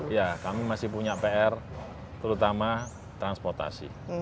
ya kami masih punya pr terutama transportasi